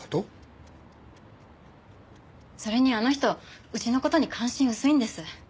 それにあの人家の事に関心薄いんです。